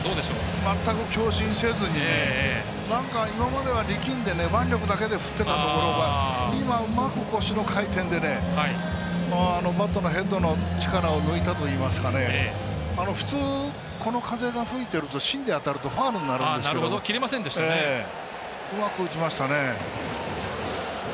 全く強振せずに今までは力んで腕力だけで振っていたところが今、うまく腰の回転でバットのヘッドの力を抜いたといいますか普通、この風が吹いてると芯に当たるとファウルになるんですけどうまく打ちましたね。